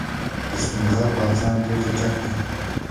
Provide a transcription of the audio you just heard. د سپین غر بازان ډېر چټک دي.